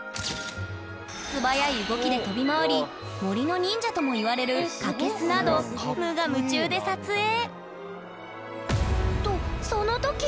素早い動きで飛び回り「森の忍者」ともいわれるカケスなど無我夢中で撮影！